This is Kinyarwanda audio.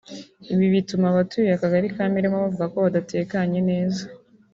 Ibi bituma abatuye akagari ka Mirama bavuga ko badatekanye neza